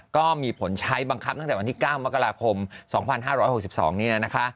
ก็มีผลใช้บังคับตั้งแต่วันที่๙มกราคม๒๕๖๒นี้นะคะ